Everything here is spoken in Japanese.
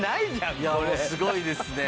すごいですね。